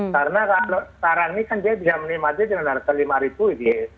karena kalau sekarang ini kan dia bisa menikmati dengan harga lima bbm